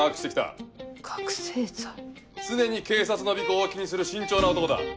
常に警察の尾行を気にする慎重な男だ。